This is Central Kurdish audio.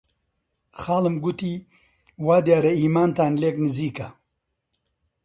خاڵم گوتی: وا دیارە ئیمانتان لێک نزیکە!